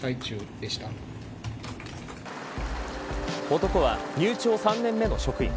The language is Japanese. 男は入庁３年目の職員。